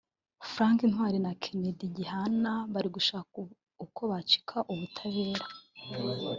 Frank Ntwali na Kennedy Gihana bari gushaka uko bacika ubutabera